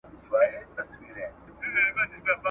چي له غمه مي زړګی قلم قلم دی `